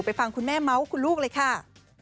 ฟังคุณแม่เมาส์คุณลูกเลยค่ะ